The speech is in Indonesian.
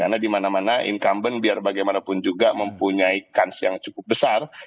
karena di mana mana incumbent biar bagaimanapun juga mempunyai kans yang cukup besar